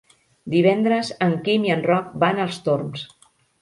Divendres en Quim i en Roc van als Torms.